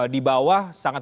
di bawah sangat